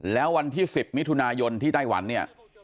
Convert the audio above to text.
แล้ววันที่๑๐มิถุนายนที่ไต้หวันเนี่ย